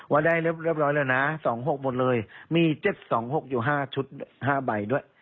ว่าได้เรียบร้อยแล้วนะ๒๖หมดเลยมี๗๒๖อยู่๕ชุด๕ใบด้วย